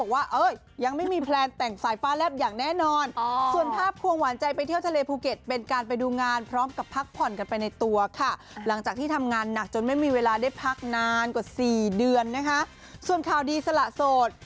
เวลาได้พักนานกว่า๔เดือนส่วนข่าวดีสละโสด